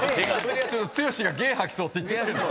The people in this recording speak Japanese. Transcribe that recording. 剛が「ゲェ吐きそう」って言ってたけど。